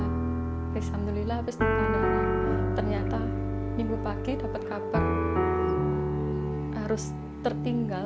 alhamdulillah ternyata minggu pagi dapat kabar harus tertinggal